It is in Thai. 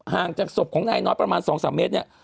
จากศพของนายน้อยประมาณ๒๓เมตรเนี่ย